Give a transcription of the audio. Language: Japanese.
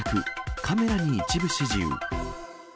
カメラに一部始終。